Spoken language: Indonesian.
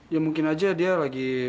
ya mungkin aja dia lagi